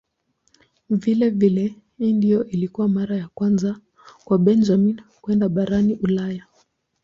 Vilevile hii ndiyo ilikuwa mara ya kwanza kwa Benjamin kwenda barani Ulaya.